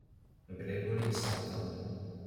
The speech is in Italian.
Gregory Sutton